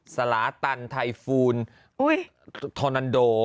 สระตันไทฟูนโทนันโด